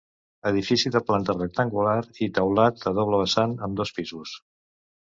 Edifici de planta rectangular i teulat a doble vessant, amb dos pisos.